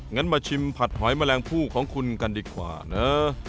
งั้นมาชิมผัดหอยแมลงผู้ของคุณกันดีกว่านะ